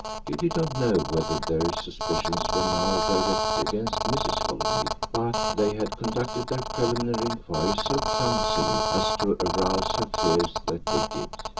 He did not know whether their suspicions were now directed against Mrs. Holymead, but they had conducted their preliminary inquiries so clumsily as to arouse her fears that they did.